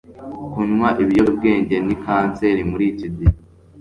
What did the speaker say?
Kunywa ibiyobyabwenge ni kanseri muri iki gihe.